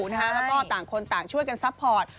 แล้วก็ต่างคนต่างช่วยกันซัพพอร์ต